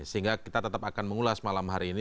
sehingga kita tetap akan mengulas malam hari ini